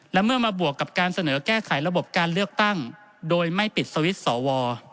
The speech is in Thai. และเมื่อมาบวกกับการเสนอแก้ไขระบบการเลือกตั้งโดยไม่ปิดสวิตช์สว